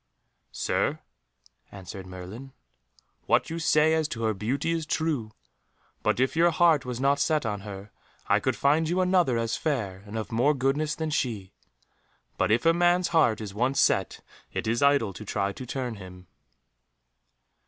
"Sir," answered Merlin, "what you say as to her beauty is true, but, if your heart was not set on her, I could find you another as fair, and of more goodness, than she. But if a man's heart is once set it is idle to try to turn him."